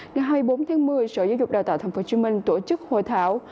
ngày hai mươi bốn tháng một mươi sở giáo dục đào tạo tp hcm tổ chức hội thảo